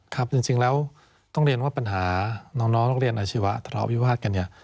ครับจริงแล้วต้องเรียนว่าปัญหาน้องนักเรียนอาชีวะทะเลาะวิวาสกันเนี่ย